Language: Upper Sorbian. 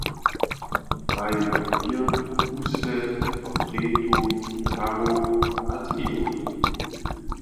Hraju klawěr, husle, trompetu, gitaru a triolu.